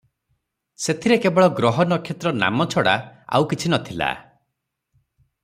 ସେଥିରେ କେବଳ ଗ୍ରହ ନକ୍ଷତ୍ର ନାମ ଛଡା ଆଉ କିଛି ନ ଥିଲା ।